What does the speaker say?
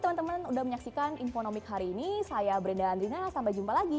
teman teman sudah menyaksikan infonomik hari ini saya brenda andrina sampai jumpa lagi